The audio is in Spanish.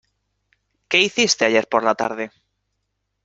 ¿Qué hiciste ayer por la tarde?